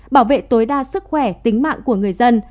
bảo vệ tối đa sức khỏe tính mạng của người dân